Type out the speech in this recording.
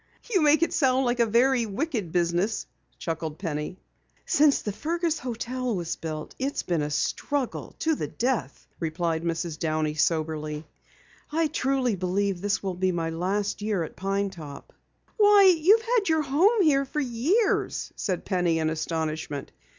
"You make it sound like a very wicked business," chuckled Penny. "Since the Fergus hotel was built it's become a struggle, to the death," replied Mrs. Downey soberly. "I truly believe this will be my last year at Pine Top." "Why, you've had your home here for years," said Penny in astonishment.